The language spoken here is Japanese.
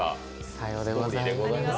さようでございます。